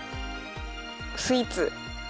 スイーツ。